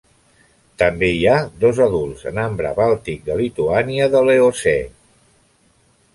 També hi ha dos adults en ambre bàltic de Lituània de l'Eocè.